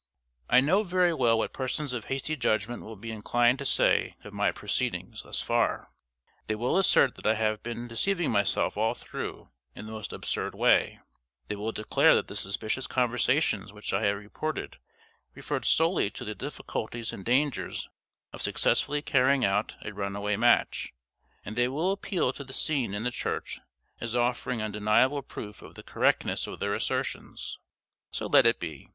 I know very well what persons of hasty judgment will be inclined to say of my proceedings thus far. They will assert that I have been deceiving myself all through in the most absurd way; they will declare that the suspicious conversations which I have reported referred solely to the difficulties and dangers of successfully carrying out a runaway match; and they will appeal to the scene in the church as offering undeniable proof of the correctness of their assertions. So let it be.